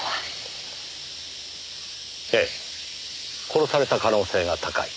殺された可能性が高い。